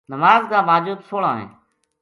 نماز کا واجب سولہ ہیں۔